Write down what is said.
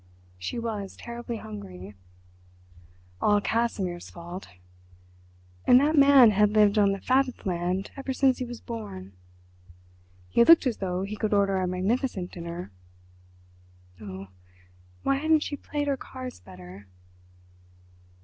She was terribly hungry—all Casimir's fault—and that man had lived on the fat of the land ever since he was born. He looked as though he could order a magnificent dinner. Oh, why hadn't she played her cards better?